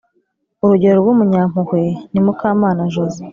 urugero rw’umunyampuhwe ni mukamana joze